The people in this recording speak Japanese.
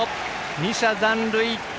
２者残塁。